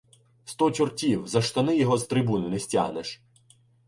Сто чортів! За штани його з трибуни не стягнеш.